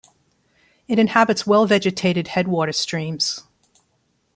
It inhabits well vegetated headwater streams.